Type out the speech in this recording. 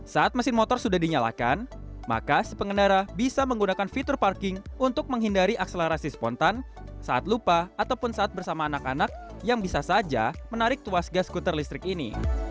saat mesin motor sudah dinyalakan maka si pengendara bisa menggunakan fitur parking untuk menghindari akselerasi spontan saat lupa ataupun saat bersama anak anak yang bisa saja menarik tuas gas skuter listrik ini